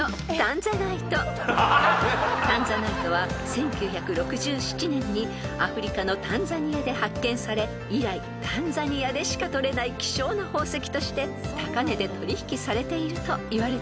［タンザナイトは１９６７年にアフリカのタンザニアで発見され以来タンザニアでしか採れない希少な宝石として高値で取引されているといわれています］